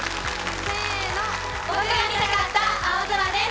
せーの、僕が見たかった青空です